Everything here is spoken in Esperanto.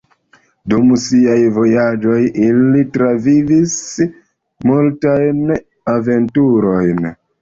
Dum siaj vojaĝoj ili travivis multajn aventurojn.